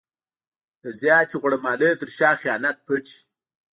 د زیاتې غوړه مالۍ تر شا خیانت پټ وي.